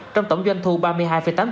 trong tổng doanh thu ba mươi hai tám tỷ usd